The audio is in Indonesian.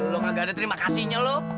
lo nggak ada terima kasihnya lo